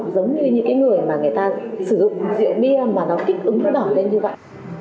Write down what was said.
giống như những cái người mà người ta sử dụng rượu bia mà nó kích ứng nó đỏ lên như vậy